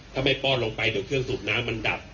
ถ้าไม่ป้อนลงไปเดี๋ยวเครื่องสูบน้ำมันดับ